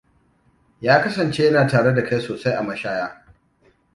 Ya kasance yana tare da kai sosai a mashaya.